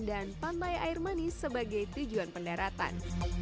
dan pantai air manis sebagai tujuan pendaratan